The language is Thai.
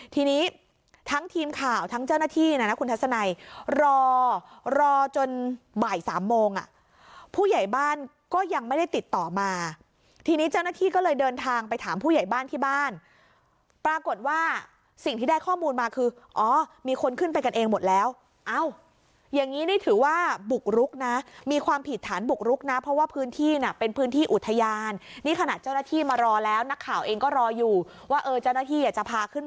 ทีนี้ทั้งทีมข่าวทั้งเจ้าหน้าที่น่ะนะคุณทัศนัยรอรอจนบ่ายสามโมงอ่ะผู้ใหญ่บ้านก็ยังไม่ได้ติดต่อมาทีนี้เจ้าหน้าที่ก็เลยเดินทางไปถามผู้ใหญ่บ้านที่บ้านปรากฏว่าสิ่งที่ได้ข้อมูลมาคืออ๋อมีคนขึ้นไปกันเองหมดแล้วอ้าวอย่างงี้นี่ถือว่าบุกรุกน่ะมีความผิดฐานบุกรุกน่ะเพราะว่าพื